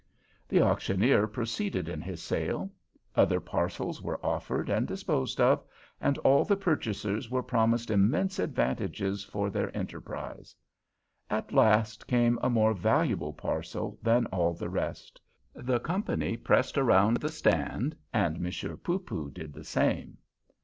The auctioneer proceeded in his sale. Other parcels were offered and disposed of, and all the purchasers were promised immense advantages for their enterprise. At last came a more valuable parcel than all the rest. The company pressed around the stand, and Monsieur Poopoo did the same.